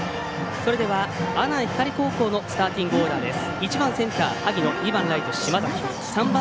それでは阿南光高校のスターティングオーダーです。